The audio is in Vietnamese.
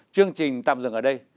chương trình tạm dừng ở đây